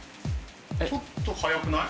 ちょっと早くない？